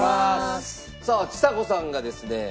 さあちさ子さんがですね